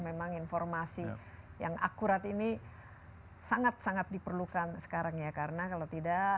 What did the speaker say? memang informasi yang akurat ini sangat sangat diperlukan sekarang ya karena kalau tidak